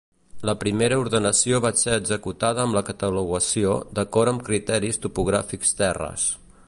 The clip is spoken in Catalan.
La primera ordenació va ser executada amb la catalogació d'acord amb criteris topogràfics terres.